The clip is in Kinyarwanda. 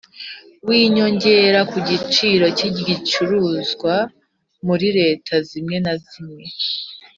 winyongera ku giciro cy igicuruzwa Muri leta zimwe na zimwe